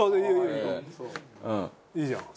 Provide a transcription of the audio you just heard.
いいじゃん。